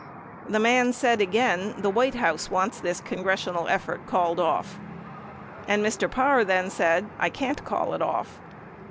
The man said again, the White House wants this congressional effort called off. And Mr. Parr then said, I can't call it off.